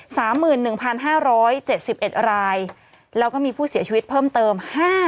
สามหมื่นหนึ่งพันห้าร้อยเจ็ดสิบเอ็ดรายแล้วก็มีผู้เสียชีวิตเพิ่มเติมห้า